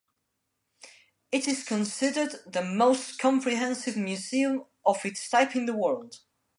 It is considered the most comprehensive museum of its type in the world.